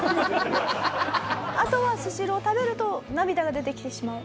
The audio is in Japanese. あとはスシローを食べると涙が出てきてしまう。